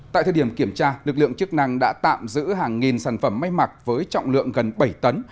tại thời điểm kiểm tra lực lượng chức năng đã tạm giữ hàng nghìn sản phẩm may mặc với trọng lượng gần bảy tấn